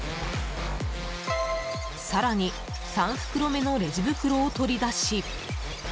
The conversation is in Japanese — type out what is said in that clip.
更に、３袋目のレジ袋を取り出し。